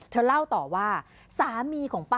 สุดทนแล้วกับเพื่อนบ้านรายนี้ที่อยู่ข้างกัน